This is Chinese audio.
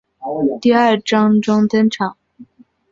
第二章中登场。